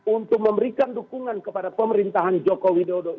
untuk memberikan dukungan kepada pemerintahan joko widodo